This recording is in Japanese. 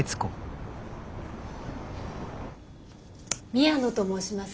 宮野と申します。